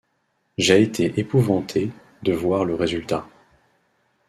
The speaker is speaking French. J'ai été épouvanté de voir le résultat.